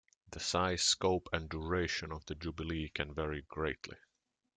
The size, scope, and duration of the jubilee can vary greatly.